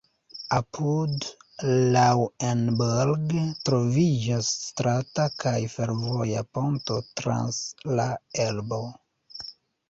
Apud Lauenburg troviĝas strata kaj fervoja ponto trans la Elbo.